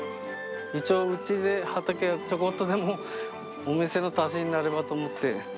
一応、うちで畑をちょこっとでもお店の足しになればと思って。